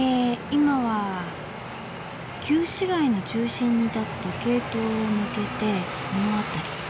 今は旧市街の中心に建つ時計塔を抜けてこの辺り。